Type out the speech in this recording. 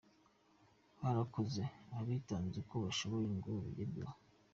Barakoze abitanze uko bashoboye ngo bigerweho.